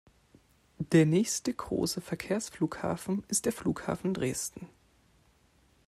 Der nächste große Verkehrsflughafen ist der Flughafen Dresden.